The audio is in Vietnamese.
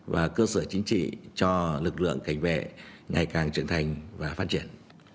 và cơ sở chính trị cho lực lượng cảnh vệ ngày càng trưởng thành và phát triển